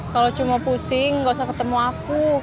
kalau cuma pusing nggak usah ketemu aku